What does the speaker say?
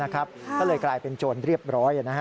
ก็เลยกลายเป็นโจรเรียบร้อย